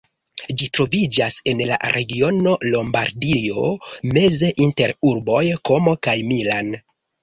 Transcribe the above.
Ĝi troviĝas en la regiono Lombardio, meze inter urboj Komo kaj Milan.